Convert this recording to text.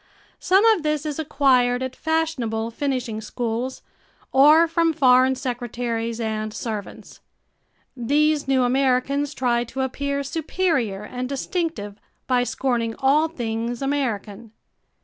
Some of this is acquired at fashionable finishing schools or from foreign secretaries and servants. These new Americans try to appear superior and distinctive by scorning all things American.